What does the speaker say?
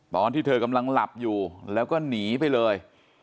ตอนที่เธอกำลังหลับอยู่แล้วก็หนีไปเลย